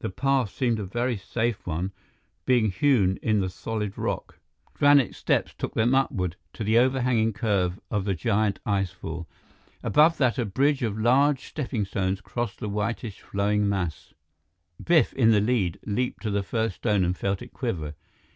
The path seemed a very safe one, being hewn in the solid rock. Granite steps took them upward to the overhanging curve of the giant icefall. Above that, a bridge of large steppingstones crossed the whitish flowing mass. Biff, in the lead, leaped to the first stone and felt it quiver.